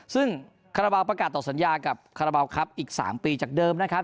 ซึ่งคาราบาลประกาศต่อสัญญากับคาราบาลครับอีก๓ปีจากเดิมนะครับ